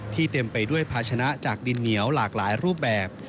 เต็มไปด้วยภาชนะจากดินเหนียวหลากหลายรูปแบบ